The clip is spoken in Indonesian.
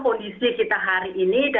pada saat ini